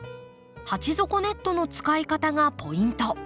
鉢底ネットの使い方がポイント。